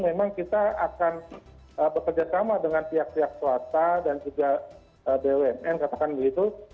memang kita akan bekerjasama dengan pihak pihak swasta dan juga bumn katakan begitu